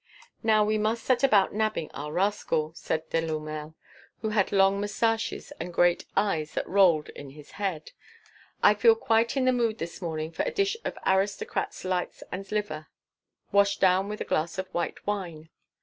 "Now we must set about nabbing our rascal," said Delourmel, who had long moustaches and great eyes that rolled in his head. "I feel quite in the mood this morning for a dish of aristocrat's lights and liver, washed down with a glass of white wine."